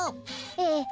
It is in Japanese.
ええ。